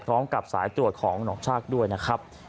พร้อมกับสายตรวจของหนองชาติด้วยนะครับ